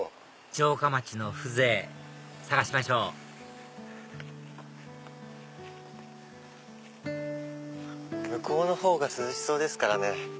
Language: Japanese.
城下町の風情探しましょう向こうの方が涼しそうですからね。